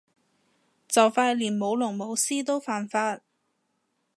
就快連舞龍舞獅都犯法